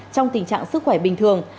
trong tình trạng sức khỏe bình thường